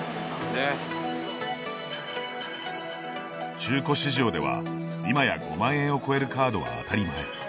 中古市場では、今や５万円を超えるカードは当たり前。